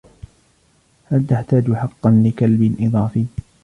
هل تحتاج حقا لكلب إضافي؟